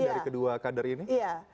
dari kedua kader ini